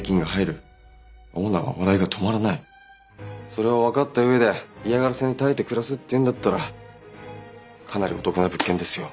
それを分かった上で嫌がらせに耐えて暮らすっていうんだったらかなりお得な物件ですよ。